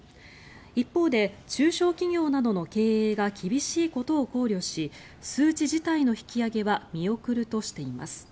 一方で、中小企業などの経営が厳しいことを考慮し数値自体の引き上げは見送るとしています。